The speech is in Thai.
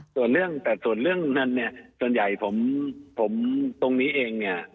แต่ส่วนเรื่องนั้นเนี่ยส่วนใหญ่ผมตรงนี้เองเนี่ย